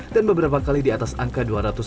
dan beberapa kali di atas angka dua ratus lima puluh